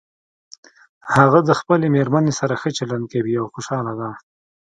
هغه د خپلې مېرمنې سره ښه چلند کوي او خوشحاله ده